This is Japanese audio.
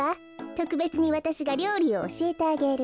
とくべつにわたしがりょうりをおしえてあげる。